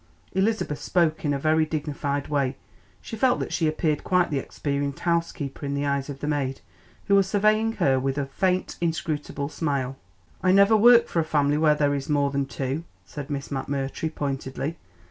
Elizabeth spoke in a very dignified way; she felt that she appeared quite the experienced housekeeper in the eyes of the maid, who was surveying her with a faint, inscrutable smile. "I never work for a family where there is more than two," said Miss McMurtry pointedly.